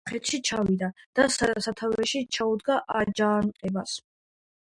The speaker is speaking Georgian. იგი კახეთში ჩავიდა და სათავეში ჩაუდგა აჯანყებას.